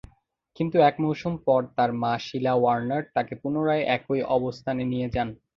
কিন্তু এক মৌসুম পর তার মা শিলা ওয়ার্নার তাকে পুনরায় একই অবস্থানে নিয়ে যান।